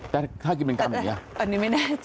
แต่ถ้ากินเป็นกรรมอย่างนี้